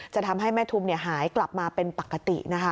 จะทำให้แม่ทุมหายกลับมาเป็นปกตินะคะ